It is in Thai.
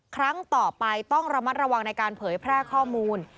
ครั้งต่อไปต้องระมัดระวังในการเผยแพร่ข้อมูล